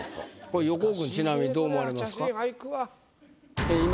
これ横尾君ちなみにどう思われますか？